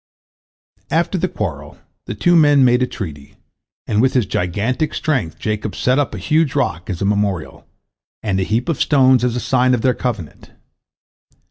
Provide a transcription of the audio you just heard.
After the quarrel, the two men made a treaty, and with his gigantic strength Jacob set up a huge rock as a memorial, and a heap of stones as a sign of their covenant.